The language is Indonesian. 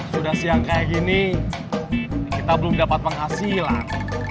sudah siang kayak gini kita belum dapat penghasilan